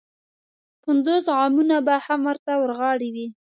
پنځوس غمونه به هم ورته ورغاړې وي.